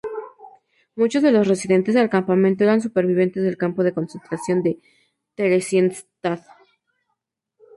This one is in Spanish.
Muchos de los residentes del campamento eran supervivientes del campo de concentración de Theresienstadt.